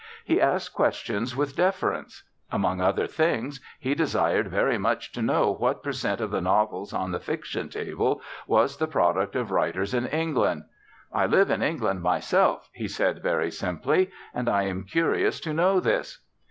He asked questions with deference. Among other things, he desired very much to know what per cent. of the novels on the fiction table was the product of writers in England. "I live in England myself," he said, very simply, "and I am curious to know this."